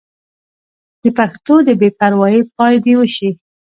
د پښتو د بې پروايۍ پای دې وشي.